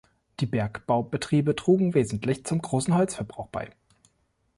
Die Bergbaubetriebe trugen wesentlich zum großen Holzverbrauch bei.